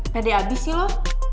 gak dihabis sih lo